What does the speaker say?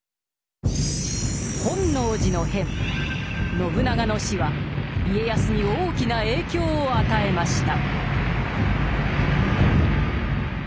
信長の死は家康に大きな影響を与えました。